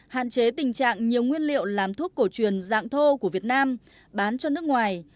hạn chế tình trạng nhiều nguyên liệu làm thuốc cổ truyền dạng thô của việt nam bán cho nước ngoài